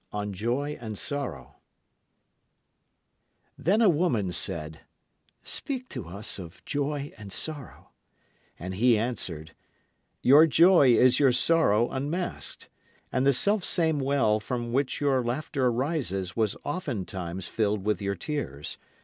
Then a woman said, Speak to us of Joy and Sorrow. And he answered: Your joy is your sorrow unmasked. And the selfsame well from which your laughter rises was oftentimes filled with your tears.